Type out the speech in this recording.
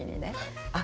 「あっ！